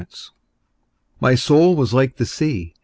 THE MOON My soul was like the sea.